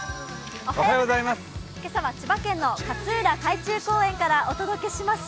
今朝は千葉県の勝浦海中公園からお届けします。